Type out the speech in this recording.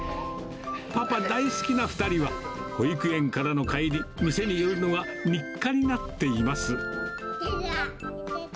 パパ大好きな２人は、保育園からの帰り、店に寄るのが日課になっています。